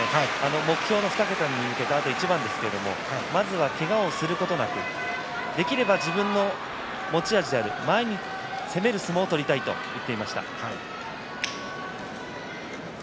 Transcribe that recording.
目標の２桁に向けた一番ですがまずは、けがをすることなくできれば自分の持ち味で前に攻める相撲を取りたいと言っていました。